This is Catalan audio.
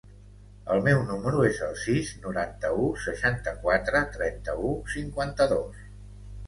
El meu número es el sis, noranta-u, seixanta-quatre, trenta-u, cinquanta-dos.